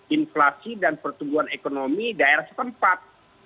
inflasi dan pertumbuhan ekonomi daerah setempat